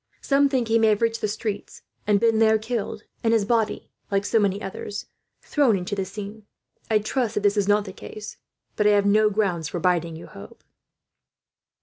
Some think he may have reached the streets, and been there killed; and his body, like so many others, thrown into the Seine. I trust that this is not the case, but I have no grounds for bidding you hope."